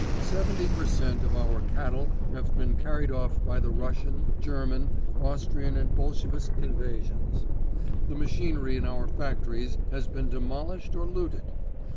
Seventy per cent, of our cattle have been carried off by the Russian, German, Austrian and Bolshevist invasions. The machinery in our factories has been demolished or looted.